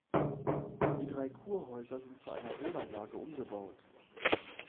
Die drei Kurhäuser sind zu einer Wohnanlage umgebaut.